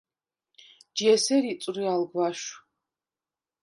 ჯი ესერ იწვრი ალ გვაშვ.